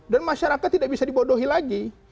dan masyarakat tidak bisa dibodohi lagi